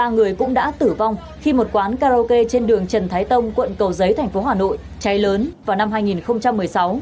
ba người cũng đã tử vong khi một quán karaoke trên đường trần thái tông quận cầu giấy thành phố hà nội cháy lớn vào năm hai nghìn một mươi sáu